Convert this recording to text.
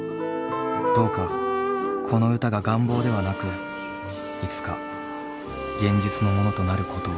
どうかこの歌が願望ではなくいつか現実のものとなることを。